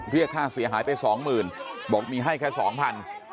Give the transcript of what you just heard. เรียกค่าเสียหายไปสองหมื่นบอกมีให้แค่สองพัน